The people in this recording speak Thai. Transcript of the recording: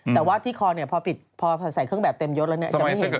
แต่ว่าที่คอเนี่ยพอปิดพอใส่เครื่องแบบเต็มยดแล้วเนี่ยจะไม่เห็น